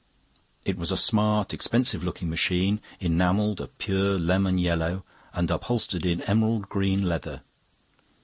It was a smart, expensive looking machine, enamelled a pure lemon yellow and upholstered in emerald green leather.